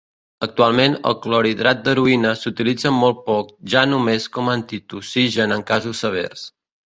Actualment el clorhidrat d'heroïna s'utilitza molt poc ja només com antitussigen en casos severs.